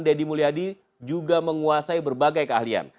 deddy mulyadi juga menguasai berbagai keahlian